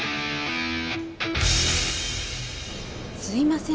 すいません。